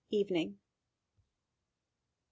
Evening.